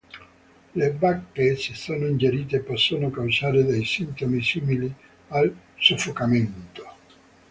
Le bacche se sono ingerite possono causare dei sintomi simili al soffocamento.